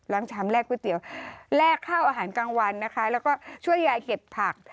ชามแรกก๋วยเตี๋ยวแลกข้าวอาหารกลางวันนะคะแล้วก็ช่วยยายเก็บผัก